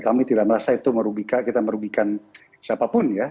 kami tidak merasa itu merugikan siapapun ya